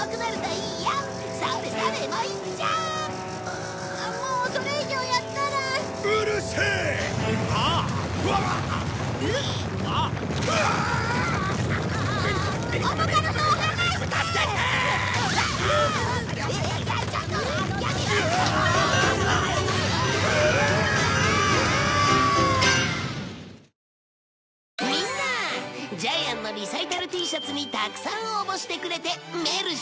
ジャイアンのリサイタルＴシャツにたくさん応募してくれてメルシーウレシー！